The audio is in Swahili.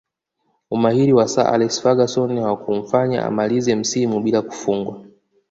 Umahiri wa Sir Alex Ferguson haukumfanya amalize msimu bila kufungwa